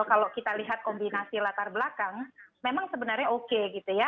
kalau kita lihat kombinasi latar belakang memang sebenarnya oke gitu ya